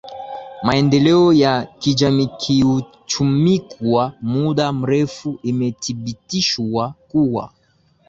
maendeleo ya kijamiikiuchumiKwa muda mrefu imethibitishwa kuwa